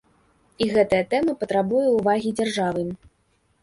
І гэтая тэма патрабуе ўвагі дзяржавы.